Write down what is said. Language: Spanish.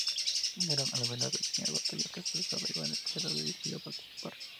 Nerón, al ver la reñida batalla que se desarrollaba a su izquierda, decidió participar.